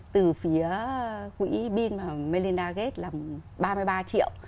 từ phía quỹ bin và melinda gates là ba mươi ba triệu